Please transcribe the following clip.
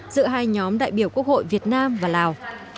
giữa hai nhóm đại biểu quốc hội việt nam và lào